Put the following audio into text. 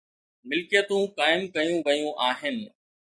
ملڪيتون قائم ڪيون ويون آهن.